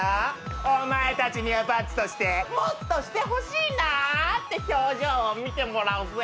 お前たちには罰としてもっとしてほしいなって表情を見てもらうぜ。